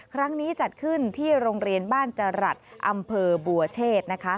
ครั้งนี้จัดขึ้นที่โรงเรียนบ้านจรัสอำเภอบัวเชษนะคะ